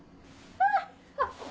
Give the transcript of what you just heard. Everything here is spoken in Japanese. あっ。